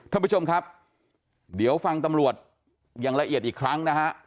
ท่านผู้ชมครับเดี๋ยวฟังตำรวจอย่างละเอียดอีกครั้งนะฮะ